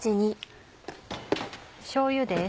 しょうゆです。